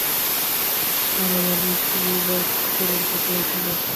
আর আমার রিল্যাক্স করার কথা ছিল।